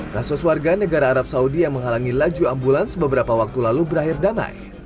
kasus warga negara arab saudi yang menghalangi laju ambulans beberapa waktu lalu berakhir damai